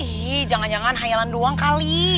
ih jangan jangan khayalan doang kali